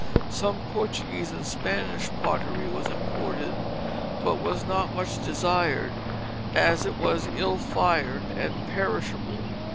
Some Portuguese and Spanish pottery was imported, but was not much desired, as it was ill fired and perishable.